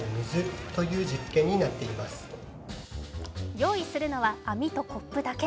用意するのは網とコップだけ。